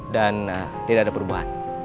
dan tidak ada perubahan